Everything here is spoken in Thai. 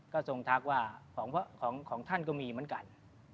ก็ทรงทักว่าของท่านก็มีเหมือนกัน